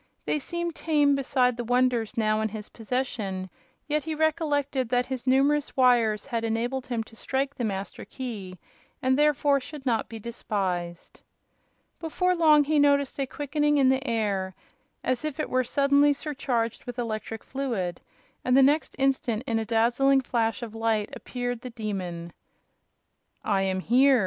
They seemed tame beside the wonders now in his possession; yet he recollected that his numerous wires had enabled him to strike the Master Key, and therefore should not be despised. Before long he noticed a quickening in the air, as if it were suddenly surcharged with electric fluid, and the next instant, in a dazzling flash of light, appeared the Demon. "I am here!"